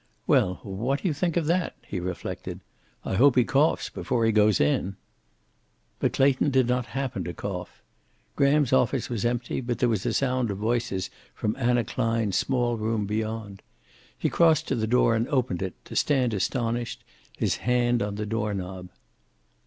"Well, what do you think of that?" he reflected. "I hope he coughs before he goes in." But Clayton did not happen to cough. Graham's office was empty, but there was a sound of voices from Anna Klein's small room beyond. He crossed to the door and opened it, to stand astonished, his hand on the door knob.